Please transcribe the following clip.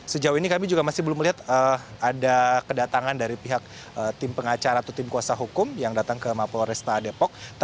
sejauh ini kami juga masih belum melihat ada kedatangan dari pihak tim pengacara atau tim kuasa hukum yang datang ke mapol resta depok